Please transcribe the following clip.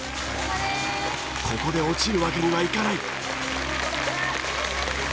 ここで落ちるわけにはいかない。